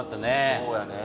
そうやね。